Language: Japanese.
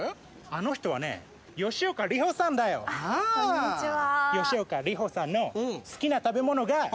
こんにちは。